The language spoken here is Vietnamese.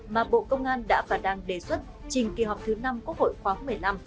mà bộ công an đã và đang đề xuất trình kỳ họp thứ năm quốc hội khoáng một mươi năm